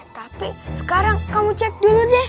tapi sekarang kamu cek dulu deh